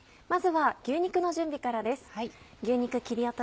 まずは牛肉の準備からです。